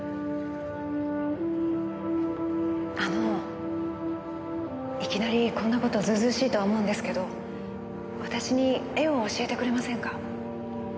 あのいきなりこんな事ずうずうしいとは思うんですけど私に絵を教えてくれませんか？